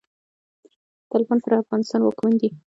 طالبان پر افغانستان واکمن دی.